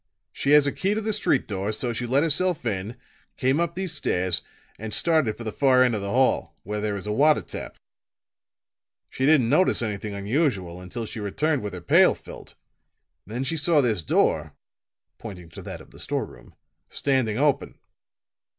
She has a key to the street door; so she let herself in, came up these stairs and started for the far end of the hall, where there is a water tap. She didn't notice anything unusual until she returned with her pail filled; then she saw this door," pointing to that of the store room, "standing open."